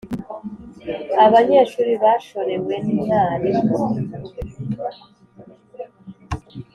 abanyeshuri bashorewe n’mwarimu